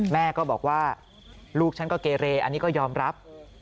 แม่ก็บอกว่าลูกฉันก็เกเรอันนี้ก็ยอมรับ